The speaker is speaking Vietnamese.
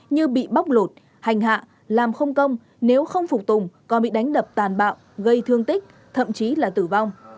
như bị bóc lột hành hạ làm không công nếu không phục tùng còn bị đánh đập tàn bạo gây thương tích thậm chí là tử vong